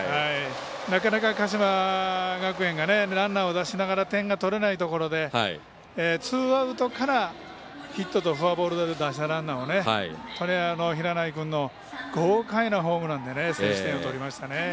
なかなか鹿島学園がランナーを出しながら点を取れないところでツーアウトからヒットとフォアボールで出したランナーを、平内君の豪快なホームランで先取点を取りましたね。